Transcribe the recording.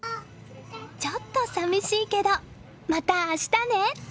ちょっと寂しいけどまた明日ね！